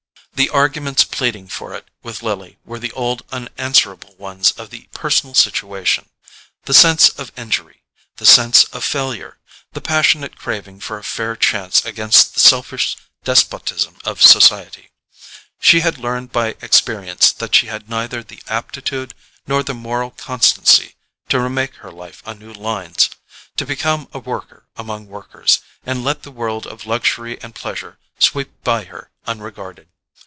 The arguments pleading for it with Lily were the old unanswerable ones of the personal situation: the sense of injury, the sense of failure, the passionate craving for a fair chance against the selfish despotism of society. She had learned by experience that she had neither the aptitude nor the moral constancy to remake her life on new lines; to become a worker among workers, and let the world of luxury and pleasure sweep by her unregarded.